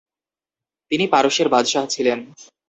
তিনি পারস্যের বাদশাহ ছিলেন।